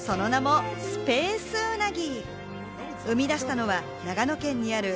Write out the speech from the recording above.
その名もスペースうなぎ。